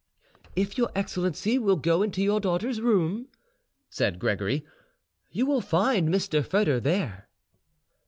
"If your excellency will go into your daughter's room," said Gregory, "you will find Mr. Foedor there."